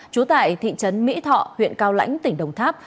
trú tại thị trấn mỹ thọ huyện cao lãnh tỉnh đồng tháp